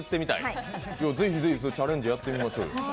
ぜひぜひチャレンジやってみましょうよ。